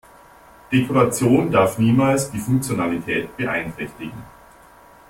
Dekoration darf niemals die Funktionalität beeinträchtigen.